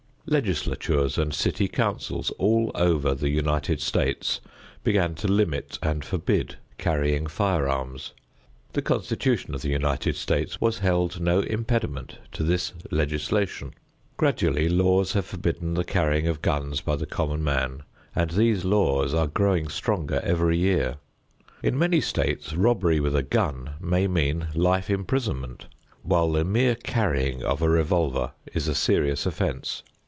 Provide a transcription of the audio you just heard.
Legislatures and city councils all over the United States began to limit and forbid carrying firearms. The Constitution of the United States was held no impediment to this legislation. Gradually laws have forbidden the carrying of guns by the common man, and these laws are growing stronger every year. In many states robbery with a gun may mean life imprisonment, while the mere carrying of a revolver is a serious offense.